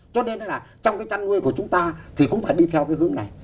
cho nên là trong cái chăn nuôi của chúng ta thì cũng phải đi theo cái hướng này